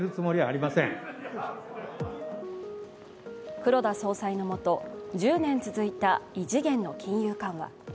黒田総裁のもと、１０年続いた異次元の金融緩和。